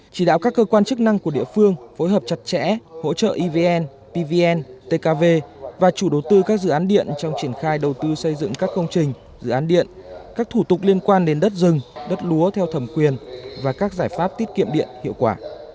chỉ đạo các cơ quan chức năng của địa phương phối hợp chặt chẽ hỗ trợ evn pvn tkv và chủ đầu tư các dự án điện trong triển khai đầu tư xây dựng các công trình dự án điện các thủ tục liên quan đến đất rừng đất lúa theo thẩm quyền và các giải pháp tiết kiệm điện hiệu quả